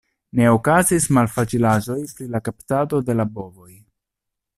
Ne okazis malfacilaĵoj pri la kaptado de la bovoj.